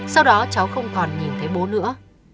sau đó cháu không còn nhìn thấy bố nữa